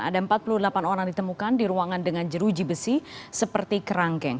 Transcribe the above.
ada empat puluh delapan orang ditemukan di ruangan dengan jeruji besi seperti kerangkeng